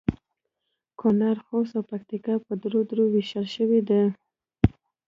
کونړ ، خوست او پکتیا په درو درو ویشل شوي دي